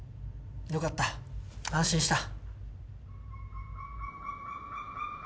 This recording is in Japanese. よかった安心した。